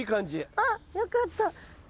あっよかった！